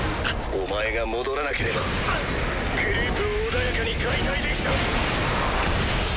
お前が戻らなければグループを穏やかに解体できた。